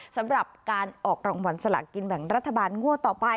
สำหรับการออกรางวัลสละกินแบ่งรัฐบาลงวดต่อไป